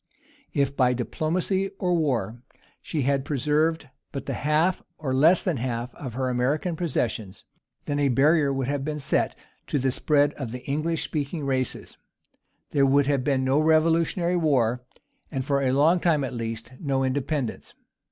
If, by diplomacy or war, she had preserved but the half, or less than the half, of her American possessions, then a barrier would have been set to the spread of the English speaking races; there would have been no Revolutionary War; and for a long time, at least, no independence.